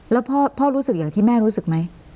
แล้วพ่อรู้สึกอย่างที่แม่รู้สึกไหม